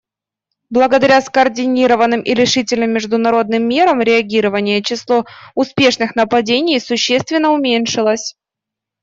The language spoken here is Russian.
Благодаря скоординированным и решительным международным мерам реагирования число успешных нападений существенно уменьшилось.